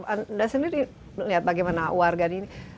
anda sendiri lihat bagaimana warga ini